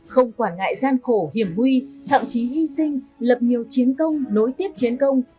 không quản ngại gian khổ hiểm nguy thậm chí hy sinh lập nhiều chiến công nối tiếp chiến công